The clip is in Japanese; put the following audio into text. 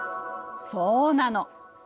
そうなの。